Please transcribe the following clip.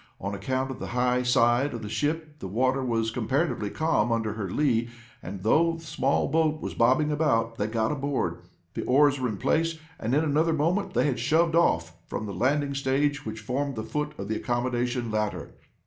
On account of the high side of the ship the water was comparatively calm under her lee, and, though the small boat was bobbing about, they got aboard. The oars were in place, and in another moment they had shoved off from the landing stage which formed the foot of the accommodation ladder.